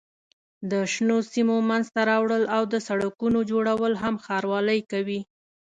د شنو سیمو منځته راوړل او د سړکونو جوړول هم ښاروالۍ کوي.